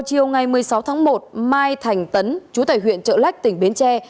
chiều ngày một mươi sáu tháng một mai thành tấn chú tại huyện trợ lách tỉnh bến tre